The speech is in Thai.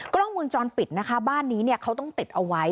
กล้องเมืองจรปิดนะคะบ้านนี้เขาต้องติดเอาไว้